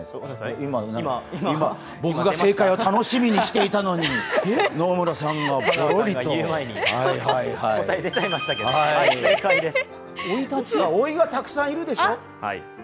今、僕が正解を楽しみにしていたのに、野村さんがポロリとおいがたくさんいるでしょ？